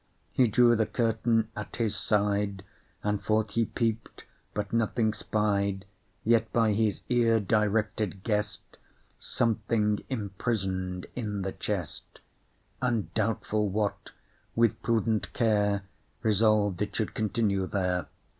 He drew the curtain at his side, And forth he peep'd, but nothing spied. Yet, by his ear directed, guess'd Something imprison'd in the chest, And, doubtful what, with prudent care Resolved it should continue there.